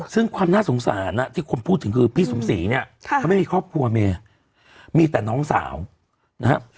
ซึ่งความน่าสงสารที่คนพูดถึงคือพี่สมศรีเนี่ยเขาไม่มีครอบครัวเมย์มีแต่น้องสาวนะครับ